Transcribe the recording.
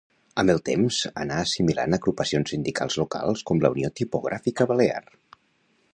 Amb el temps anà assimilant agrupacions sindicals locals com la Unió Tipogràfica Balear.